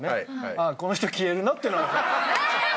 ああこの人消えるなってのは分かる。